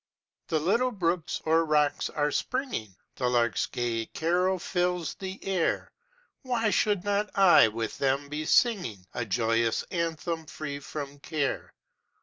"The little brooks o'er rocks are springing, The lark's gay carol fills the air; Why should not I with them be singing A joyous anthem free from care?